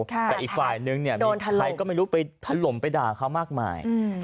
แต่อีกฝ่ายนึงมีใครก็ไม่รู้ทะลมไปด่าเขามากมาย